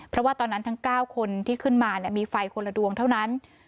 เพราะว่าตอนนั้นทั้ง๙คนที่ขึ้นมามีไฟคนละดวงเท่านั้น